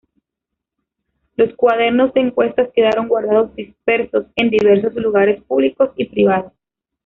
Los cuadernos de encuesta quedaron guardados dispersos en diversos lugares públicos y privados.